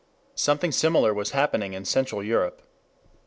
Something similar was happening in Central Europe.